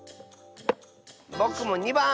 ぼくも２ばん！